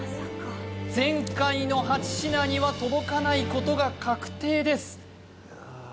前回の８品には届かないことが確定です